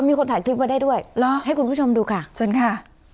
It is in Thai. อ่ามีคนถ่ายคลิปมาได้ด้วยหรอให้คุณผู้ชมดูค่ะสวัสดีค่ะ